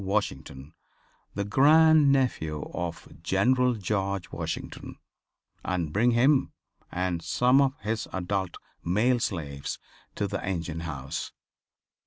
Washington, the grand nephew of General George Washington, and bring him and some of his adult male slaves, to the engine house.